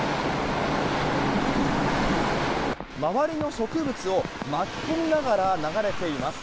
周りの植物を巻き込みながら流れています。